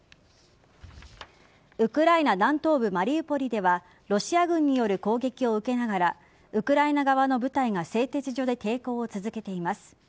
ウクライナ南東部マリウポリではロシア軍による攻撃を受けながらウクライナ側の部隊が製鉄所に抵抗を続けています。